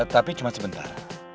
tapi cuma sebentar